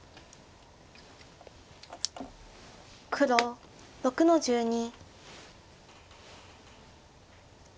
黒６の十二。